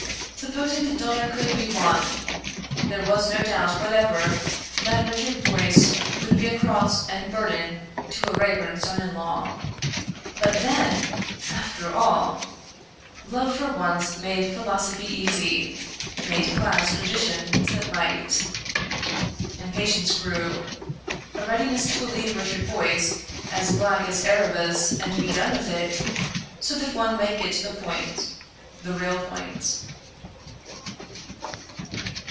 Supposing the daughter could be won, there was no doubt whatever that Richard Boyce would be a cross and burden to a Raeburn son in law. But then! After all! Love for once made philosophy easy made class tradition sit light. Impatience grew; a readiness to believe Richard Boyce as black as Erebus and be done with it, so that one might get to the point the real point.